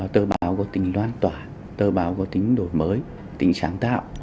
tờ báo có tình loan tỏa tờ báo có tính đổi mới tính sáng tạo